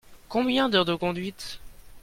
Combien d'heures de conduite ?